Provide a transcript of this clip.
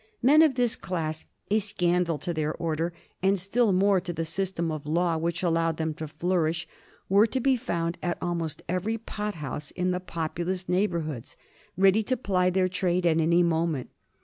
Men of this class, a scandal to their order, and still more to the system of law which allowed them to flourish, were to he foand at al most every pothouse in the popaloas neighborhoods, ready to ply their trade at any moment.